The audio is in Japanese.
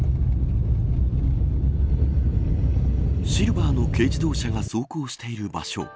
シルバーの軽自動車が走行している場所